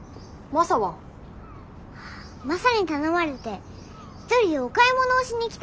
マサに頼まれて１人でお買い物をしに来たの。